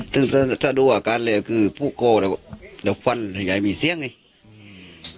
ถ้าดูอาการนึกของภูโคมีเสียงเวิร์ทดูอาการเอ้ย